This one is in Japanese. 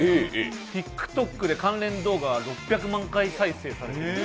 ＴｉｋＴｏｋで６００万回再生されている。